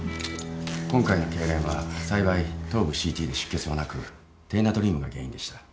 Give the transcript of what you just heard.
今回のけいれんは幸い頭部ＣＴで出血はなく低ナトリウムが原因でした。